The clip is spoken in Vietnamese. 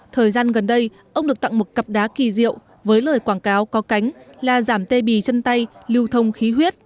thời gian gần đây ông được tặng một cặp đá kỳ diệu với lời quảng cáo có cánh là giảm tê bì chân tay lưu thông khí huyết